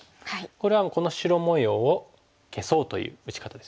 これはこの白模様を消そうという打ち方ですよね。